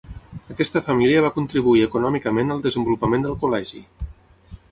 Aquesta família va contribuir econòmicament al desenvolupament del col·legi.